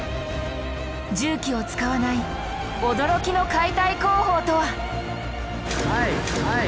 重機を使わない驚きの解体工法とは⁉はい！